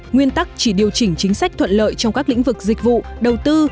nguyên tắc chỉ điều chỉnh chính sách thuận lợi trong các lĩnh vực dịch vụ đầu tư